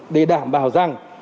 để đảm bảo rằng